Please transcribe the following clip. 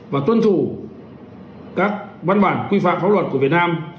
và tuân thủ các văn bản quy phạm pháp luật của việt nam